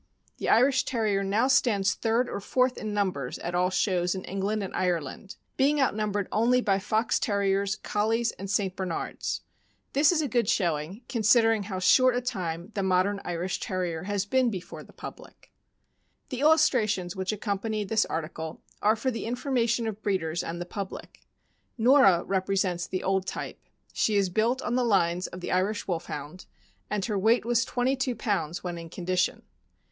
The Irish Terrier now stands third or fourth in numbers at all shows in England and Ireland, being outnumbered only by Fox Terriers, Collies, and St. Bernards. This is a good showing, considering how short a time the modern Irish Terrier has been before the public. The illustrations which accompany this article are for the information of breeders and the public. Norah represents the old type. She is built on the lines of the Irish Wolfhound, and her weight was twenty two pounds when in condition.